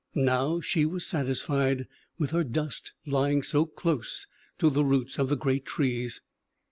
Now she was satisfied, with her dust lying so close to the roots of the great trees.